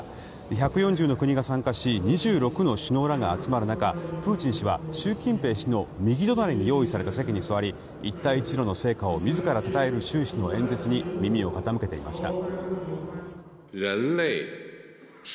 １４０の国が参加し２６の首脳らが集まる中プーチン氏は習近平氏の右隣に用意された席に座り一帯一路の成果を自らたたえる習氏の演説に耳を傾けていました。